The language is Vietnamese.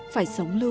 phải sống luôn